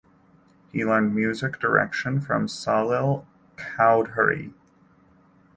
He learned music direction from Salil Chowdhury.